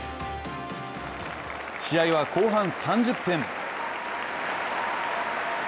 試合は後半３０分